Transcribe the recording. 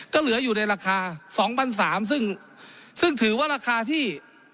ก็เหลืออยู่ในราคาสองพันสามซึ่งซึ่งถือว่าราคาที่